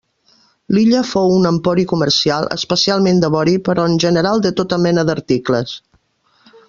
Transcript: L'illa fou un empori comercial, especialment de vori, però en general de tota mena d'articles.